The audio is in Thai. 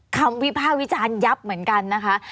วิภาควิจารณ์ยับเหมือนกันนะคะ